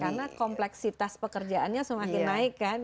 karena kompleksitas pekerjaannya semakin naik kan